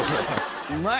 うまい。